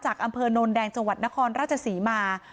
อำเภอโนนแดงจังหวัดนครราชศรีมา